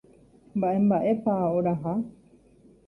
Mba'emba'épa oraha.